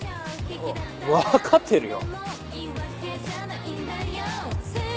わ分かってるよ！